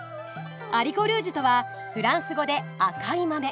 アリコルージュとはフランス語で赤い豆。